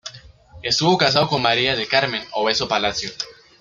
Estuvo casado con María del Carmen Obeso Palacio.